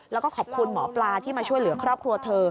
แล้วก็ขอบคุณหมอปลาที่มาช่วยเหลือครอบครัวเธอ